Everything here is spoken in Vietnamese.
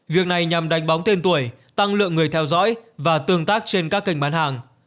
việc này nhằm đánh bóng tên tuổi tăng lượng người theo dõi và tương tác trên các kênh bán hàng